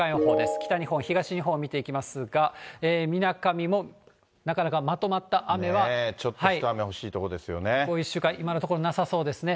北日本、東日本を見ていきますが、みなかみもなかなかまとまった雨ちょっと、ここ１週間、今のところなさそうですね。